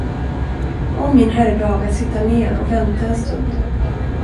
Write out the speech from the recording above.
Om min herre behagar sitta ned och vänta en stund.